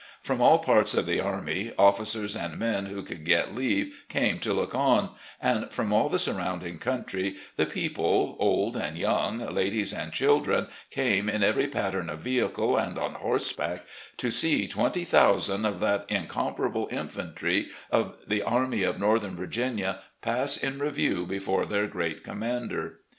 From all parts of the army, officers and men who could get leave came to look on, and from all the sur rounding country the people, old and young, ladies and children, came in every pattern of vehicle and on horse back, to see twenty thousand of that "incomparable infantry " of the Army of Northern Virginia pass in review before their great commander.